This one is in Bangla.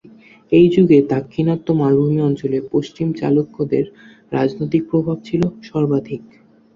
এই যুগে দাক্ষিণাত্য মালভূমি অঞ্চলে পশ্চিম চালুক্যদের রাজনৈতিক প্রভাব ছিল সর্বাধিক।